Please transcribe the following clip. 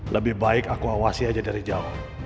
lebih baik aku awasi aja dari jawa